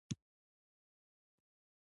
بزګان د افغانستان د انرژۍ سکتور برخه ده.